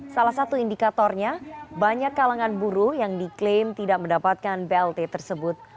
salah satu indikatornya banyak kalangan buruh yang diklaim tidak mendapatkan blt tersebut